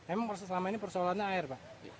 emang proses selama ini persoalannya air pak